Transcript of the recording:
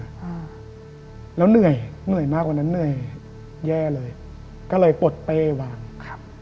อ่าแล้วเหนื่อยเหนื่อยมากกว่านั้นเหนื่อยแย่เลยก็เลยปลดเป้วางครับ